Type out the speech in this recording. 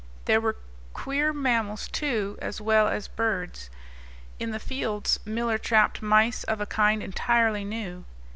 There were queer mammals, too, as well as birds. In the fields Miller trapped mice of a kind entirely new.